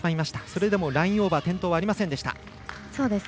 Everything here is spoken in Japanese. それでもラインオーバー転倒はありませんでした。